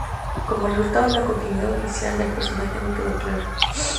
Como resultado, la continuidad ""oficial"" del personaje no quedó clara.